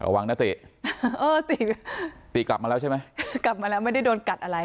ระวังนะติเออติตีกลับมาแล้วใช่ไหมกลับมาแล้วไม่ได้โดนกัดอะไร